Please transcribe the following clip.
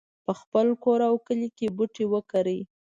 په خپل کور او کلي کې بوټي وکرئ